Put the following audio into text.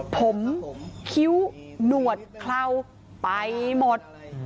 ผมคิ้วหนวดเคลาไปหมด